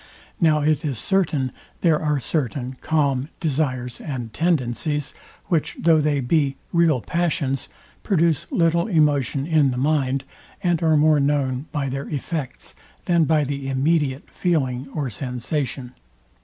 Now it is certain, there are certain calm desires and tendencies, which, though they be real passions, produce little emotion in the mind, and are more known by their effects than by the immediate feeling or sensation.